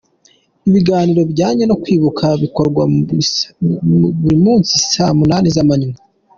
Ibiganiro bijyanye no kwibuka bikorwa buri munsi saa munani z’amanywa.